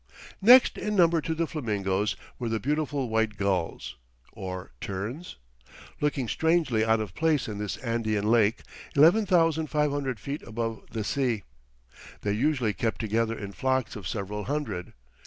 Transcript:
Next in number to the flamingoes were the beautiful white gulls (or terns?), looking strangely out of place in this Andean lake 11,500 feet above the sea. They usually kept together in flocks of several hundred.